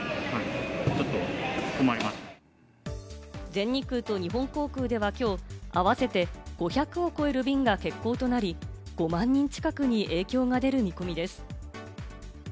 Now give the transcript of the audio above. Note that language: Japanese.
全日空と日本航空ではきょう合わせて、５００を超える便が欠航となり、５万人近くに影響が出る見込みです。